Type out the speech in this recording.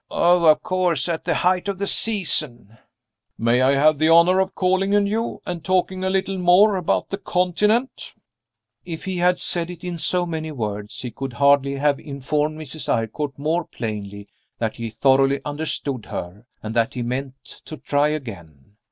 "Oh, of course, at the height of the season!" "May I have the honor of calling on you and talking a little more about the Continent?" If he had said it in so many words he could hardly have informed Mrs. Eyrecourt more plainly that he thoroughly understood her, and that he meant to try again.